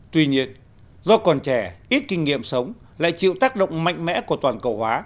tuy nhiên do còn trẻ ít kinh nghiệm sống lại chịu tác động mạnh mẽ của toàn cầu hóa